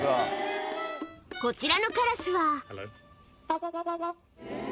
こちらのカラスはハロー。